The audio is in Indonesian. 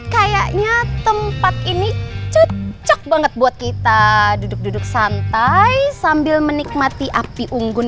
kayaknya tempat ini cocok banget buat kita duduk duduk santai sambil menikmati api unggun